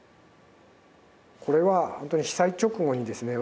これは本当に被災直後にですね